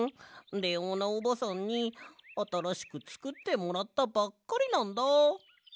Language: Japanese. レオーナおばさんにあたらしくつくってもらったばっかりなんだ。